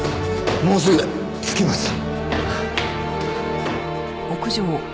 もうすぐ着きます。